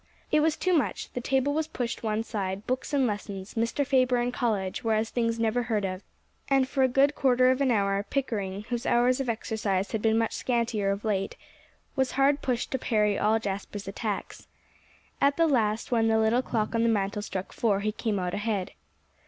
It was too much. The table was pushed one side; books and lessons, Mr. Faber and college, were as things never heard of. And for a good quarter of an hour, Pickering, whose hours of exercise had been much scantier of late, was hard pushed to parry all Jasper's attacks. At the last, when the little clock on the mantel struck four, he came out ahead.